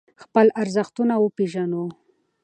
خپل ارزښتونه وپیژنو.